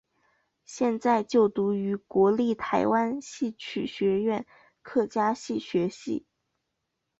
现正就读于国立台湾戏曲学院客家戏学系。